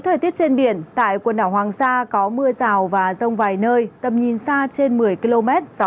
thời tiết trên biển tại quần đảo hoàng sa có mưa rào và rông vài nơi tầm nhìn xa trên một mươi km